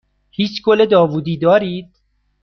هیچ گل داوودی دارید؟